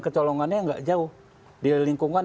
kecolongannya nggak jauh di lingkungan